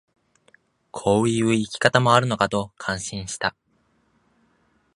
こういう生き方もあるのかと感心した